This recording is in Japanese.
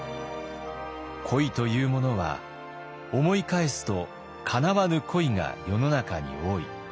「恋というものは思い返すとかなわぬ恋が世の中に多い。